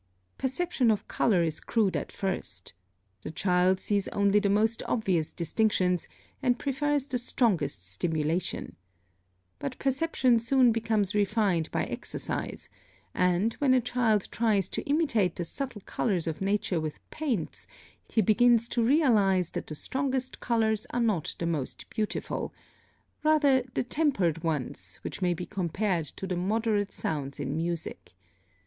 (39) Perception of color is crude at first. The child sees only the most obvious distinctions, and prefers the strongest stimulation. But perception soon becomes refined by exercise, and, when a child tries to imitate the subtle colors of nature with paints, he begins to realize that the strongest colors are not the most beautiful, rather the tempered ones, which may be compared to the moderate sounds in music.